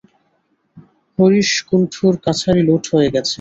হরিশ কুণ্ডুর কাছারি লুঠ হয়ে গেছে।